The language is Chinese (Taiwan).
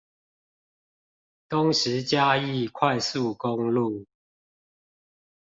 東石嘉義快速公路